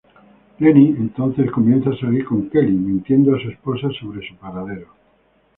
Lenny entonces comienza a salir con Kelly, mintiendo a su esposa sobre su paradero.